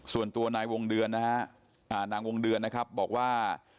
ส่วนตัวนายวงเดือนนะฮะนางวงเดือนนะครับบอกว่า